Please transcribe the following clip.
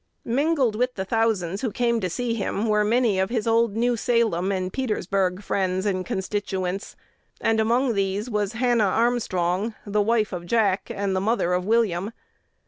Mingled with the thousands who came to see him were many of his old New Salem and Petersburg friends and constituents; and among these was Hannah Armstrong, the wife of Jack and the mother of William.